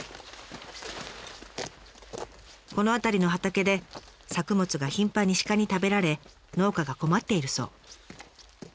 この辺りの畑で作物が頻繁に鹿に食べられ農家が困っているそう。